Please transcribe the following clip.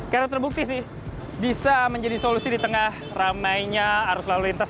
karena terbukti sih bisa menjadi solusi di tengah ramainya arus lalu lintas